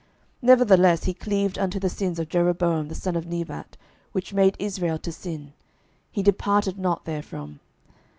12:003:003 Nevertheless he cleaved unto the sins of Jeroboam the son of Nebat, which made Israel to sin; he departed not therefrom.